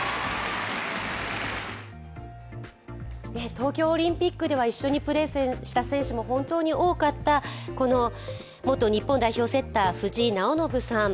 東京オリンピックでは一緒にプレーした選手も、本当に多かった元日本代表セッター・藤井直伸さん。